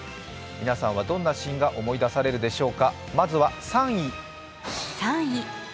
皆さんはどんなシーンが思い出されるでしょうか。